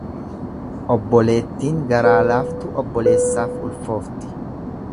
Obboleettiin garaa laaftu obboleessaaf ulfoofti.